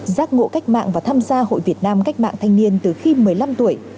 giác ngộ cách mạng và tham gia hội việt nam cách mạng thanh niên từ khi một mươi năm tuổi